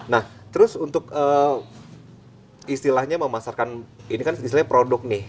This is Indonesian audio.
nah terus untuk istilahnya memasarkan ini kan istilahnya produk nih